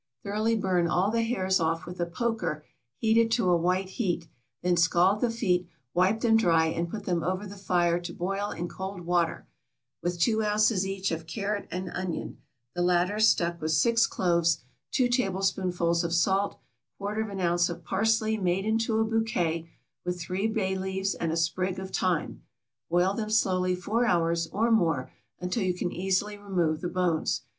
= Thoroughly burn all the hairs off with a poker heated to a white heat; then scald the feet, wipe them dry, and put them over the fire to boil in cold water, with two ounces each of carrot and onion, the latter stuck with six cloves, two tablespoonfuls of salt, quarter of an ounce of parsley made into a bouquet with three bay leaves and a sprig of thyme; boil them slowly four hours, or more, until you can easily remove the bones.